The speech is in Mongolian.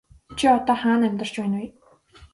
Чи одоо хаана амьдарч байна вэ?